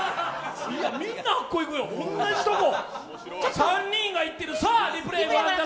みんなあそこいくよ、同じとこ。